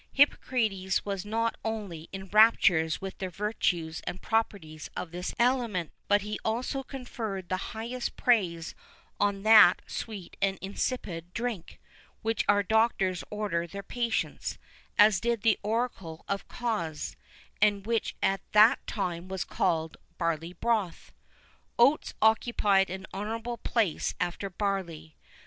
[V 13] Hippocrates was not only in raptures with the virtues and properties of this aliment,[V 14] but he also conferred the highest praise on that sweet and insipid drink, which our doctors order their patients, as did the oracle of Cos, and which at that time was called "barley broth."[V 15] Oats occupied an honourable place after barley.